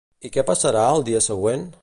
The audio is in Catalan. I què passarà el dia següent?